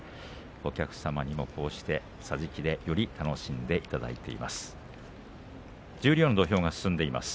お客様にもこうして桟敷でより楽しんでいただいています。